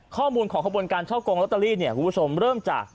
ข้อมูลของขบวนการช่อกงลอตเตอรี่เนี่ยคุณผู้ชมเริ่มจาก